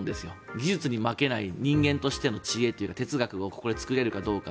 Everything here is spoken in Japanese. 技術に負けない人間としての知恵というか哲学をここで作れるかどうか。